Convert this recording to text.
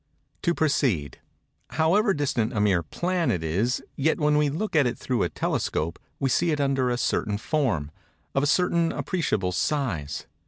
To proceed:—However distant a mere planet is, yet when we look at it through a telescope, we see it under a certain form—of a certain appreciable size.